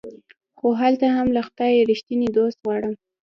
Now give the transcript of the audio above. خو هلته هم له خدايه ريښتيني دوست غواړم